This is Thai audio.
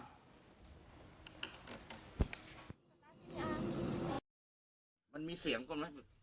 มันมีเสียงก็มั้ย